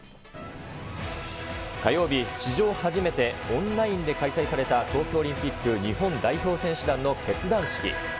火曜日、史上初めてオンラインで開催された、東京オリンピック日本代表選手団の結団式。